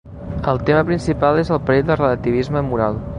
El tema principal és el perill del relativisme moral.